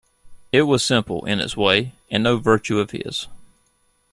It was simple, in its way, and no virtue of his.